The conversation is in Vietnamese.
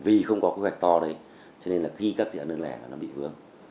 vì không có quy hoạch to đấy cho nên là khi các dự án đơn lẻ nó bị hướng